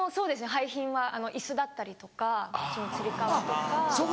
廃品は椅子だったりとかつり革とか。